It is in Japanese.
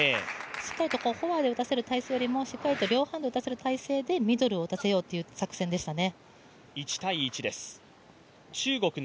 しっかりとフォアで打たせる体勢よりも両サイドで打たせる体勢でミドルを打たせようという作戦でしたね。